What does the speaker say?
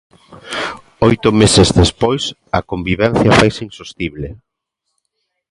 Oito meses despois a convivencia faise insostible.